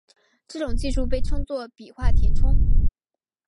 这种技术被称作笔画填充。